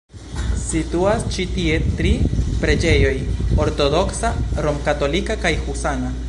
Situas ĉi tie tri preĝejoj: ortodoksa, romkatolika kaj husana.